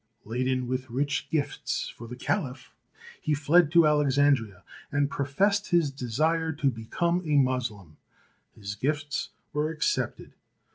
Laden with rich gifts for the Caliph, he fled to Alexandria, and professed his desire to become a Moslem. His gifts were accepted.